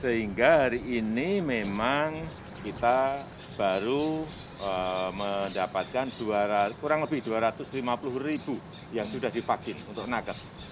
sehingga hari ini memang kita baru mendapatkan kurang lebih dua ratus lima puluh ribu yang sudah divaksin untuk nakes